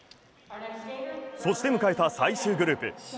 そして迎えた最終グループ。